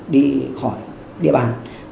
đi khỏi địa bàn